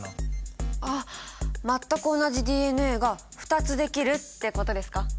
ああ全く同じＤＮＡが２つできるってことですか？